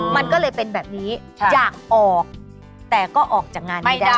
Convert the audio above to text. มันก็เลยเป็นแบบนี้อยากออกแต่ก็ออกจากงานไม่ได้